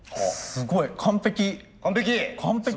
すごい完璧！